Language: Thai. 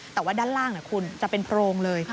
แต่ว่าด้านล่างคุณจะเป็นโพรงเลย